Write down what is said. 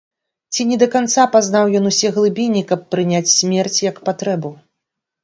Ці не да канца пазнаў ён усе глыбіні, каб прыняць смерць як патрэбу?